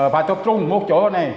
phải tập trung một chỗ này